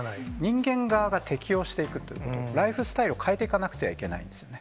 人間側が適応していくということ、ライフスタイルを変えていかなくてはいけないんですね。